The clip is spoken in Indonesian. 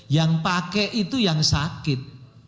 yang pakai itu yang sakit